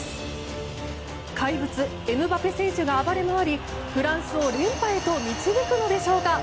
怪物エムバペ選手が暴れ回りフランスを連覇へと導くのでしょうか。